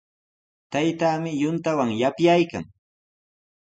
Taytaami yuntawan yapyaykan.